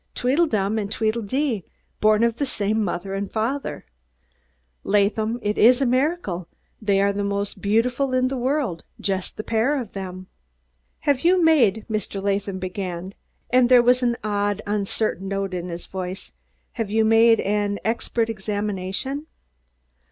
"Dweedledum und Dweedledee, born of der same mudder und fadder. Laadham, id iss der miracle! Dey are der most beaudiful der world in yust der pair of dem." "Have you made," Mr. Latham began, and there was an odd, uncertain note in his voice "Have you made an expert examination?"